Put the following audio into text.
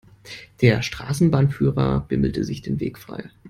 Der Straßenbahnführer bimmelte sich den Weg frei.